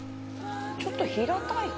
ちょっと平たいか？